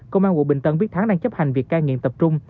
công an quận bình tân biết thắng đang chấp hành việc cai nghiện tập trung